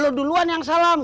lo duluan yang salam